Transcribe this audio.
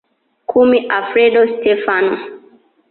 Kumi Alfredo Stefano